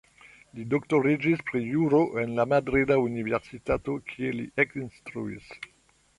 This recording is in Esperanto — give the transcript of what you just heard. Li doktoriĝis pri Juro en la madrida universitato, kie li ekinstruis.